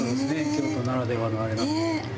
京都ならではのあれなんで。